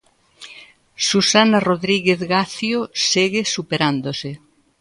Susana Rodríguez Gacio segue superándose.